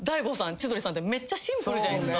千鳥さんってめっちゃシンプルじゃないですか。